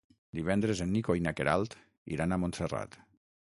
Divendres en Nico i na Queralt iran a Montserrat.